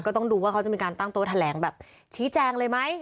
ต้องดูว่าเขาจะมีการตั้งโต๊ะแถลงแบบชี้แจงเลยไหม